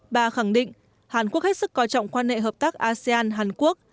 bà khẳng định hàn quốc hết sức coi trọng quan hệ hợp tác asean hàn quốc